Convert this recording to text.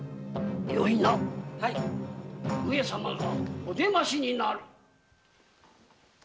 よいな上様がお出ましになる。